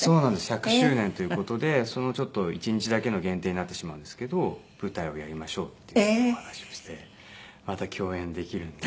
１００周年という事でちょっと１日だけの限定になってしまうんですけど「舞台をやりましょう」っていう話をしてまた共演できるんです。